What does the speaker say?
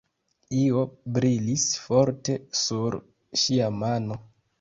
Io brilis forte sur ŝia mano.